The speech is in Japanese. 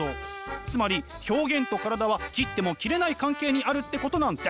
つまり表現と体は切っても切れない関係にあるってことなんです。